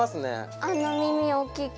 あの耳大きい子。